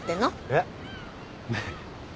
えっ？